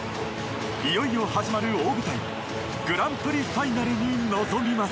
いよいよ始まる大舞台グランプリファイナルに臨みます。